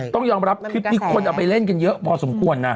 ต้องยอมรับคลิปนี้คนเอาไปเล่นกันเยอะพอสมควรนะ